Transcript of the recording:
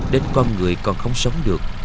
đến con người còn không sống được